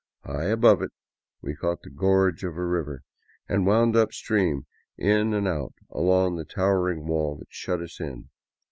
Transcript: High above it we caught the gorge of a river, and wound upstream in and out along the towering wall that shut us in.